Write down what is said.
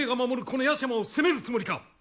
この屋島を攻めるつもりか！？